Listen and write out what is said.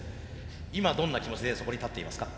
今どんな気持ちでそこに立っていますか？